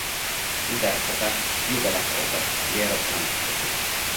Interpreta "Più bella cosa" di Eros Ramazzotti.